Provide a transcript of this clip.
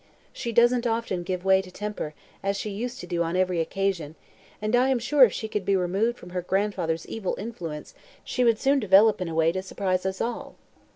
She doesn't often give way to temper, as she used to do on every occasion, and I am sure if she could be removed from her grandfather's evil influence she would soon develop in a way to surprise us all."